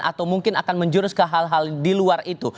atau mungkin akan menjurus ke hal hal di luar itu